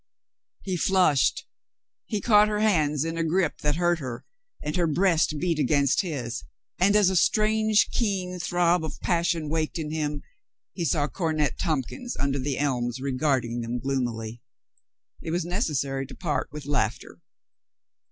He flushed. He caught her hands in a grip that hurt her, and her breast beat against his. And, as a strange, keen throb of passion waked in him, he saw Cornet Tompkins under the elms regarding them gloomily. It was necessary to part with laughter.